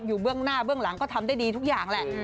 เบื้องหน้าเบื้องหลังก็ทำได้ดีทุกอย่างแหละ